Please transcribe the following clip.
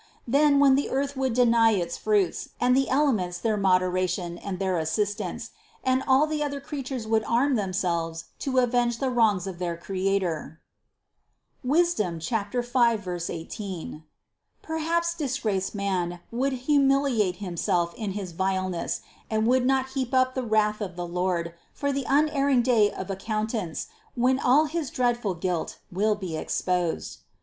Then when the earth would deny its fruits, and the elements their moderation and their assistance, and all the other creatures would arm themselves to avenge the wrongs of their Creator (Sap. 5, 18), perhaps disgraced man would humiliate himself in his vileness and would not heap up the wrath of the Lord for the unerring day of accountance, when all his dreadful guilt will be exposed.